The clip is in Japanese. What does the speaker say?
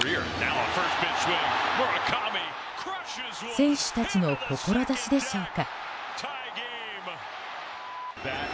選手たちの志でしょうか。